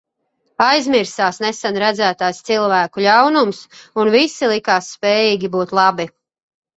Aizmirsās nesen redzētais cilvēku ļaunums, un visi likās spējīgi būt labi.